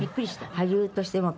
俳優としても。